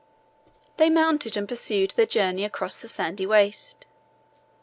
They mounted, and pursued their journey across the sandy waste.